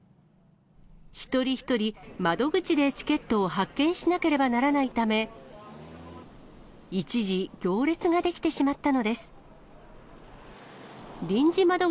一人一人、窓口でチケットを発券しなければならないため、一時、行列が出来てしまったのです。